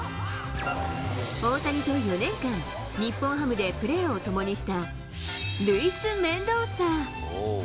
大谷と４年間、日本ハムでプレーを共にしたルイス・メンドーサ。